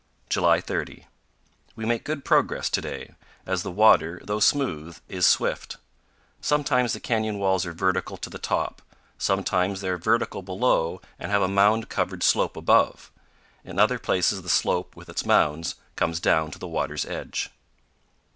July 30. We make good progress to day, as the water, though smooth, is swift. Sometimes the canyon walls are vertical to the top; sometimes they are vertical below and have a mound covered slope above; in other places the slope, with its mounds, comes down to the water's edge.